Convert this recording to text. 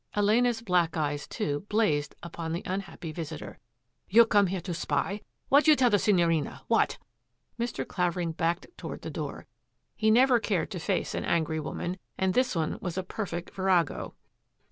Elena's black eyes, too, blazed upon the un happy visitor. " You come here to spy ! What you tell the Signorina, what? " Mr. Clavering backed toward the door. He never cared to face an angry woman, and this one was a perfect virago.